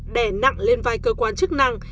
đè nặng lên vai cơ quan chức năng